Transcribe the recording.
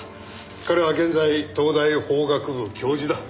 彼は現在東大法学部教授だ。